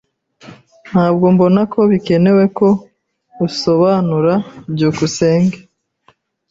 Ntabwo mbona ko bikenewe ko usobanura. byukusenge